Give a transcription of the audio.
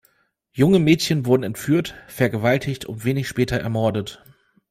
Junge Mädchen wurden entführt, vergewaltigt und wenig später ermordet.